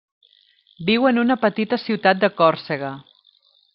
Viu en una petita ciutat de Còrsega.